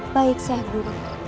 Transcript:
baik seh guru